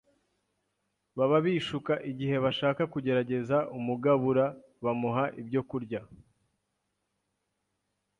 Baba bishuka igihe bashaka kugerageza umugabura bamuha ibyokurya